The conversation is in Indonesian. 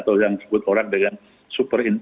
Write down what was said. atau yang disebut orang dengan super